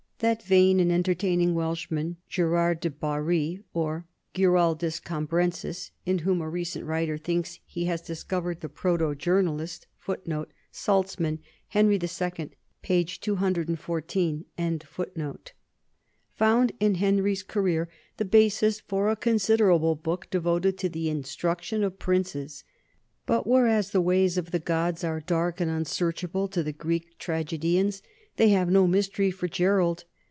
That vain and entertaining Welshman, Gerald de Barri, or Giraldus Cambrensis, in whom a recent writer thinks he has discovered the proto journalist, 1 found in Henry's career the basis for a con siderable book devoted to the Instruction of Princes. But whereas the ways of the gods are dark and un searchable to the Greek tragedians, they have no mys tery for Gerald.